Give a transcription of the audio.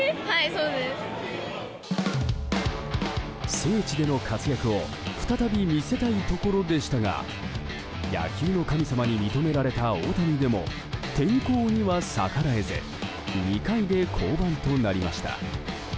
聖地での活躍を再び見せたいところでしたが野球の神様に認められた大谷でも天候には逆らえず２回で降板となりました。